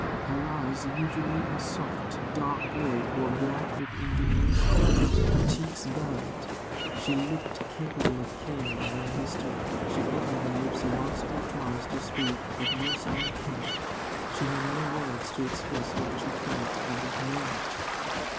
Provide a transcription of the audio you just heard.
Her eyes, usually a soft, dark gray, were black with indignation; her cheeks burned; she looked capable of killing him where he stood. She opened her lips once or twice to speak, but no sound came. She had no words to express what she felt at that moment.